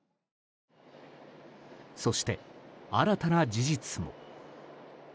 そして、新たな事実も。